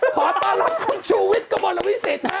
ขอต้อนรับคุณชูวิทย์กระบวนละวิสิทธิ์